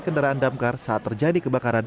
kendaraan damkar saat terjadi kebakaran